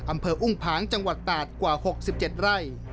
อำเภออุ้งผางจังหวัดตาดกว่า๖๗ไร่